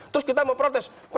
terus kita mau protes